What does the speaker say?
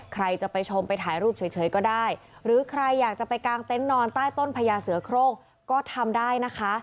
ใครจะไปชมไปถ่ายรูปเฉยก็ได้หรือใครอยากจะไปกางเต็นต์นอนใต้ต้นพญาเสือโครงก็ทำได้นะคะ